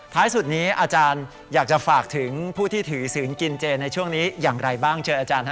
สุดนี้อาจารย์อยากจะฝากถึงผู้ที่ถือศีลกินเจในช่วงนี้อย่างไรบ้างเชิญอาจารย์